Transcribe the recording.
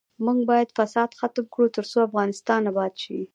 موږ باید فساد ختم کړو ، ترڅو افغانستان اباد شي.